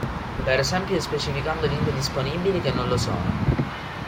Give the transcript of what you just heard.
Per esempio specificando lingue disponibili che non lo sono.